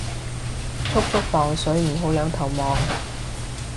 速速磅水唔好兩頭望